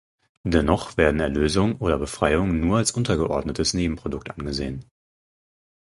Dennoch werden Erlösung oder Befreiung nur als untergeordnetes Nebenprodukt angesehen.